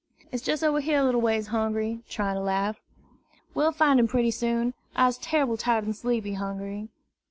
"It's jes' ober here little ways, Hungry," trying to laugh. "We'll fine him purty soon. I's terrible tired an' sleepy, Hungry."